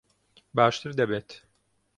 باشتر دەبێت.